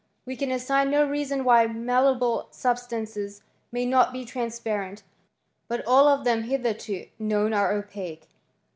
We can assign no reason why mal* leable substances may not be transparent ; but all of them hitherto known are opaque.